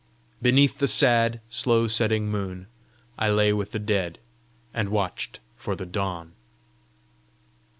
Beneath the sad, slow setting moon, I lay with the dead, and watched for the dawn.